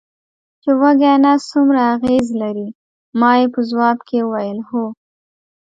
چې وږی نس څومره اغېز لري، ما یې په ځواب کې وویل: هو.